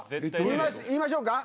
言いましょうか？